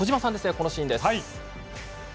このシーンです。